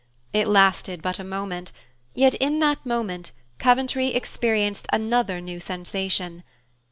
It lasted but a moment; yet in that moment Coventry experienced another new sensation.